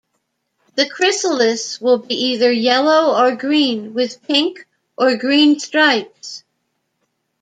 The chrysalis will be either yellow or green with pink or green stripes.